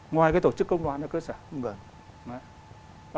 ngoài cái tổ chức công đoàn ở cơ sở